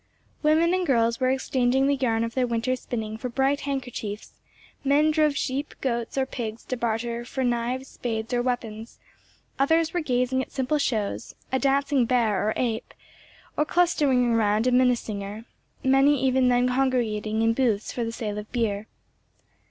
Women and girls were exchanging the yarn of their winter's spinning for bright handkerchiefs; men drove sheep, goats, or pigs to barter for knives, spades, or weapons; others were gazing at simple shows—a dancing bear or ape—or clustering round a Minnesinger; many even then congregating in booths for the sale of beer.